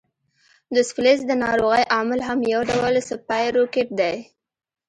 دوسفلیس د ناروغۍ عامل هم یو ډول سپایروکیټ دی.